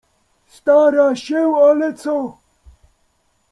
Stara się, ale co?